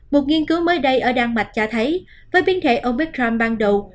một nghiên cứu mới đây ở đan mạch cho thấy với biến thể omicron ban đầu